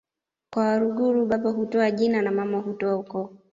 kwa Waluguru baba hutoa jina na mama hutoa ukoo